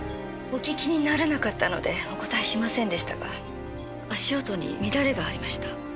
お聞きにならなかったのでお答えしませんでしたが足音に乱れがありました。